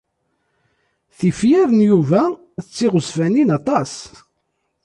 Tifyar n Yuba d tiɣezfanin aṭas.